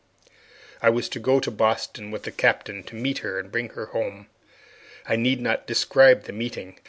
I was to go to Boston with the Captain to meet her and bring her home. I need not describe that meeting.